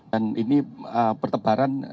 dan ini pertebaran